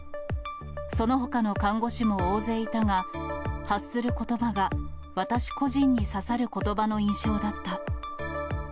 そのほかの看護師も大勢いたが、発することばが、私個人に刺さることばの印象だった。